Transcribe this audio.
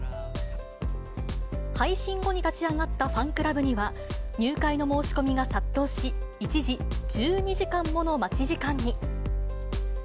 配信後に立ち上がったファンクラブには、入会の申し込みが殺到し、一時１２時間もの待ち時間に。